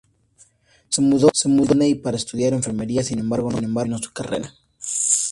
Se mudó a Sídney para estudiar enfermería; sin embargo, no terminó su carrera.